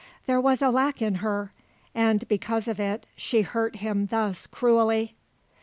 There was a lack in her, and because of it she hurt him thus cruelly.